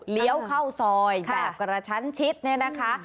เลี้ยวเข้าซอยแบบกระชั้นชิดเนี่ยนะคะ